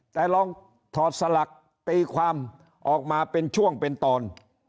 แต่ลองถอดสลักตีความออกมาเป็นช่วงเป็นตอน